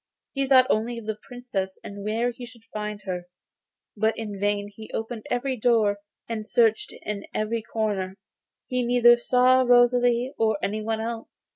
He thought only of the Princess and where he should find her, but in vain he opened every door and searched in every corner; he neither saw Rosalie nor anyone else.